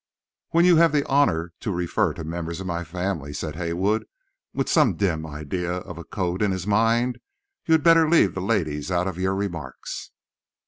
"When you have the honour to refer to the members of my family," said Haywood, with some dim ideas of a code in his mind, "you'd better leave the ladies out of your remarks."